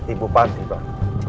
ibu panti pak